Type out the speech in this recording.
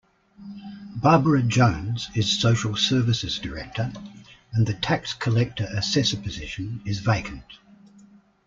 Barbara Jones is Social Services Director and the Tax Collector-Assessor position is vacant.